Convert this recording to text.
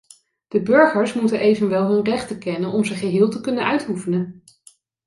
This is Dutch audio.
De burgers moeten evenwel hun rechten kennen om ze geheel te kunnen uitoefenen.